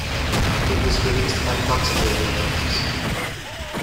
It was released by Matador Records.